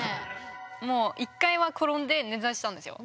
もう１回は転んで捻挫したんですよ。